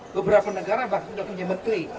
beberapa negara bahkan sudah punya menteri